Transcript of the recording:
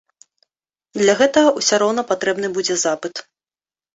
Для гэтага ўсё роўна патрэбны будзе запыт.